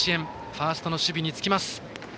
ファーストの守備につきます。